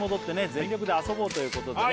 全力で遊ぼうということでね